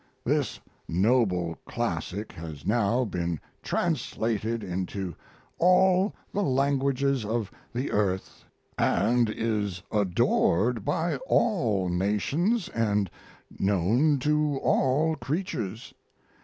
This noble classic has now been translated into all the languages of the earth and is adored by all nations and known to all creatures.